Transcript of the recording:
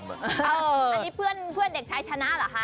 อันนี้เพื่อนเด็กชายชนะเหรอคะ